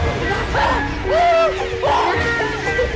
ibu bahkan mudah